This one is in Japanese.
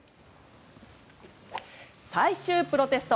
最終プロテスト。